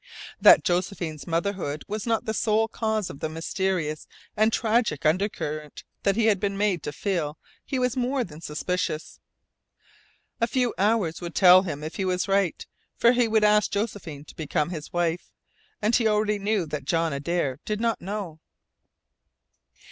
That Josephine's motherhood was not the sole cause of the mysterious and tragic undercurrent that he had been made to feel he was more than suspicious. A few hours would tell him if he was right, for he would ask Josephine to become his wife. And he already knew what John Adare did not know.